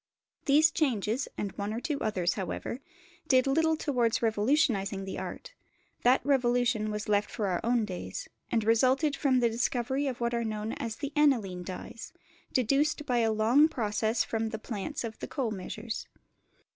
These changes, and one or two others, however, did little towards revolutionising the art; that revolution was left for our own days, and resulted from the discovery of what are known as the Aniline dyes, deduced by a long process from the plants of the coal measures.